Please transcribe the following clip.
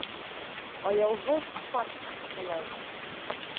Аяуһыҙ факт шулай.